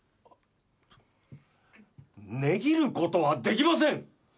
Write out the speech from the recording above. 値切る事はできません！